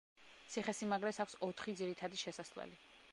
ციხესიმაგრეს აქვს ოთხი ძირითადი შესასვლელი.